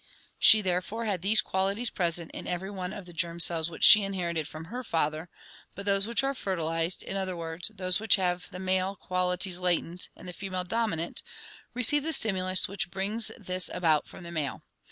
She therefore had these qualities present in every one of the germ cells which she inherited from her father; but those which are fertilized, in other words, those which have the male qualities latent and the female dominant, receive the stimulus which brings this about from the male.